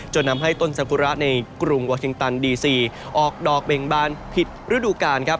จนทำให้ต้นสกุระในกรุงวาคิงตันดีซีออกดอกเบ่งบานผิดฤดูกาลครับ